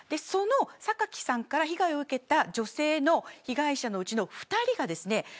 その榊さんから被害を受けた女性被害者のうちの２人がですね